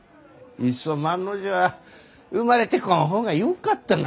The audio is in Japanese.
いっそ万の字は生まれてこん方がよかったな。